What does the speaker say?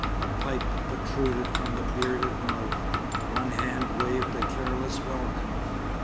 A pipe protruded from the bearded mouth. One hand waved a careless welcome.